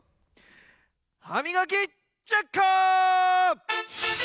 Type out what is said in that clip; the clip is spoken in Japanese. はみがきチェッカー！